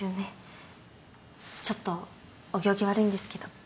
ちょっとお行儀悪いんですけど。